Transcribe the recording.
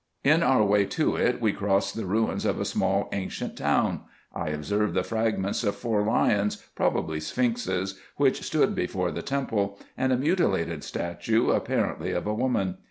In our way to it we crossed the ruins of a small ancient town. I observed the fragments of four lions, probably sphinxes, which stood before the temple ; and a mutilated statue, apparently of a woman.